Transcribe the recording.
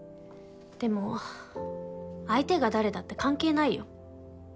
でも相手が誰だって関係ないよ。